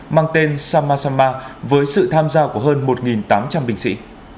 mang tên sama sama với sự tham gia của hơn một tám trăm linh binh sĩ